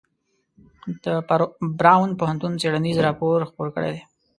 د براون پوهنتون څیړنیز راپور خپور کړی دی.